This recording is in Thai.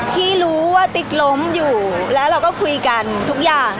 ที่รู้ว่าติ๊กล้มอยู่แล้วเราก็คุยกันทุกอย่าง